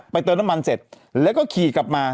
เติมน้ำมันเสร็จแล้วก็ขี่กลับมา